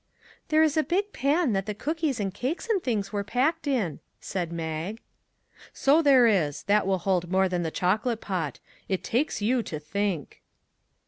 " There is a big pan that the cookies and cakes and things were packed in," said Mag. " So there is ; that will hold more than the chocolate pot. It takes you to think."